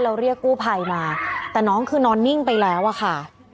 แล้วเรียกกู้ภัยมาแต่น้องคือนอนนิ่งไปแล้วอะค่ะ